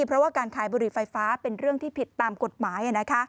เพราะว่าการขายบุหรี่ไฟฟ้าเป็นเรื่องที่ผิดตามกฎหมาย